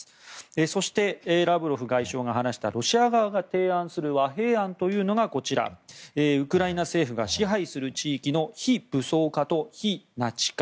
そして、ラブロフ外相が話したロシア側が提案する和平案というのがウクライナ政府が支配する地域の非武装化と非ナチ化。